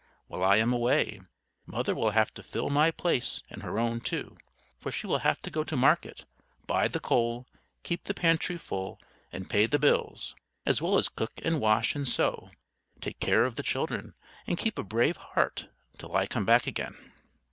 While I am away, Mother will have to fill my place and her own too, for she will have to go to market, buy the coal, keep the pantry full, and pay the bills, as well as cook and wash and sew, take care of the children, and keep a brave heart till I come back again."